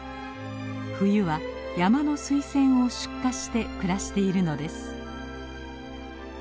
冬は山のスイセンを出荷して暮らしているのです。